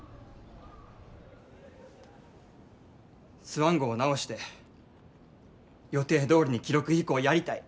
スワン号を直して予定どおりに記録飛行やりたい。